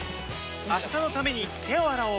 明日のために手を洗おう